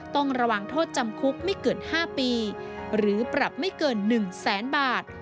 ต้องระวังโทษจำคุกไม่เกิน๕ปีหรือปรับไม่เกิน๑แสนบาท